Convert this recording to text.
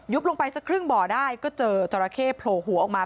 ลงไปสักครึ่งบ่อได้ก็เจอจราเข้โผล่หัวออกมา